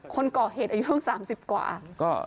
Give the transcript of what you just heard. คนก่อเหตุอายุเพิ่ง๓๐กว่า